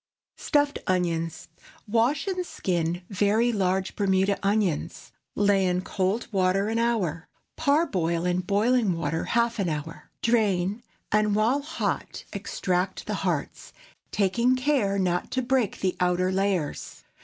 STUFFED ONIONS. Wash and skin very large Bermuda onions. Lay in cold water an hour. Parboil in boiling water half an hour. Drain, and while hot extract the hearts, taking care not to break the outer layers.